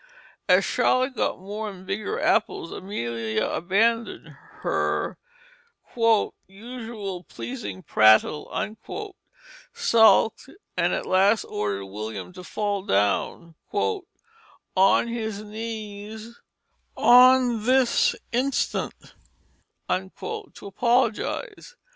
As Charlotte got more and bigger apples Amelia abandoned her "usual pleasing prattle," sulked and at last ordered William to fall down "on his knees on this instant" to apologize.